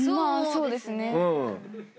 そうですね。